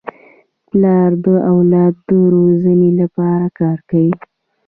پلار د اولاد د روزني لپاره کار کوي.